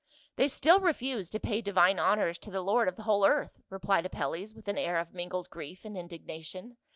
"They still refuse to pay divine honors to the lord of the whole earth," replied Apelles with an air ot mingled grief and indignation.